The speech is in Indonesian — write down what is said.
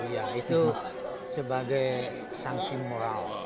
ya itu sebagai sanksi moral